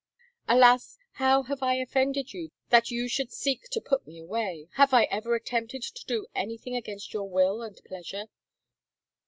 Alas, how have I offended you, that you should seek to put me away? Have I ever attempted to do anything against your will and pleasure?